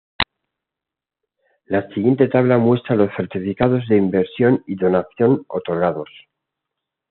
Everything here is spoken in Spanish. La siguiente tabla muestra los certificados de inversión y donación otorgados.